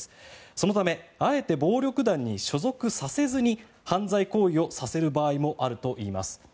そのためあえて暴力団に所属させずに犯罪行為をさせる場合もあるといいます。